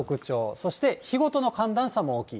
そして、日ごとの寒暖差も大きい。